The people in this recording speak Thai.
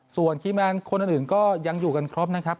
ส่วนคีย์แมนคนอื่นก็ยังอยู่กันครบนะครับ